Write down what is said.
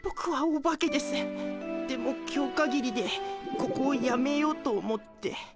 でも今日かぎりでここをやめようと思って。